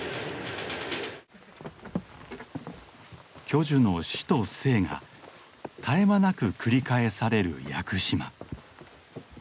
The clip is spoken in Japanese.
巨樹の死と生が絶え間なく繰り返される屋久島。